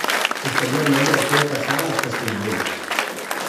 Posteriorment el feu passà als Castellvell.